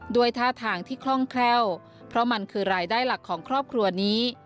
ด้วยท่าทางที่คล่องแคล่วเพราะมันคือรายได้หลักของครอบครัวนี้